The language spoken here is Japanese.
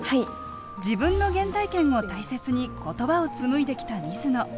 自分の原体験を大切に言葉を紡いできた水野。